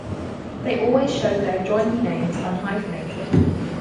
They always showed their joined names unhyphenated.